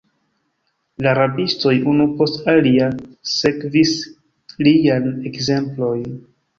La rabistoj, unu post alia, sekvis lian ekzemplon.